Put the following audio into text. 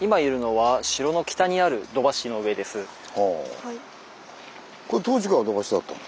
はい。